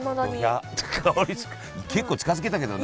結構近づけたけどね。